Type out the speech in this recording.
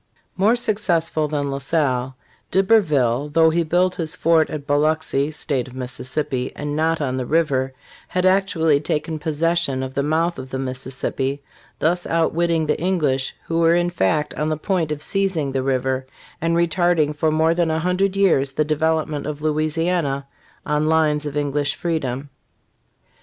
45 More successful than La Salle, D'Iberville, though he built his fort at Biloxi [state of Mississippi] and not on the river, had actually taken possession of the mouth of the Mississippi, thus outwitting the English, who were in fact on the point of seizing the river, and retarding for more than a hundred years the development of Louisiana on lines of English freedom.